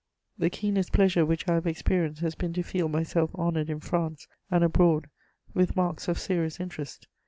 The keenest pleasure which I have experienced has been to feel myself honoured in France and abroad with marks of serious interest.